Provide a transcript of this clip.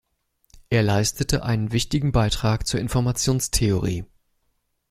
Er leistete einen wichtigen Beitrag zur Informationstheorie.